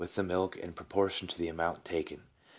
223 the milk in proportion to the amount taken.